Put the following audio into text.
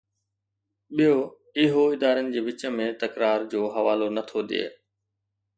ٻيو، اهو ادارن جي وچ ۾ تڪرار جو حوالو نٿو ڏئي.